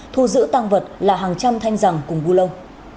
thu giữ tăng vật là hàng trăm thanh rằng cùng bu lông